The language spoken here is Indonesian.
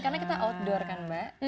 karena kita outdoor kan mbak